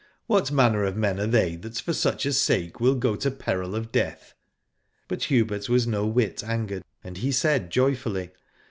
What manner of men are they that for such a sake will go to peril of death ? But Hubert was no whit angered, and he said joyfully.